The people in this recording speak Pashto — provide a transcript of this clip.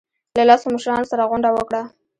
له لسو مشرانو سره غونډه وکړه.